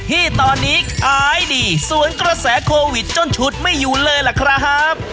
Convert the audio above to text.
ที่ตอนนี้ขายดีสวนกระแสโควิดจนฉุดไม่อยู่เลยล่ะครับ